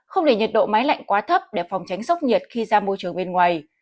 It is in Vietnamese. không để nhiệt độ máy lạnh quá thấp để phòng tránh sốc nhiệt khi ra môi trường bên ngoài